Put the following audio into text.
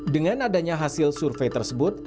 dengan adanya hasil survei tersebut